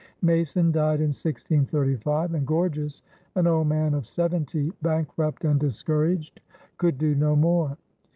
Mason died in 1635, and Gorges, an old man of seventy, bankrupt and discouraged, could do no more.